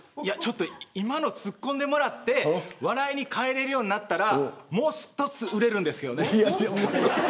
今の、ツッコんでもらって笑いに変えられるようになったらもう少し売れるんですけどね。